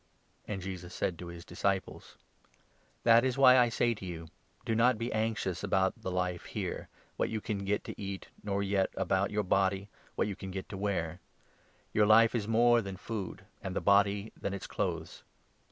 Tho c«r«« And Jesus said to his disciples : of ur*. "That is why I say to you, Do not be anxious about the life here — what you can get to eat ; nor yet about your body — what you can get to wear. For life is more than food, and the body than its clothes.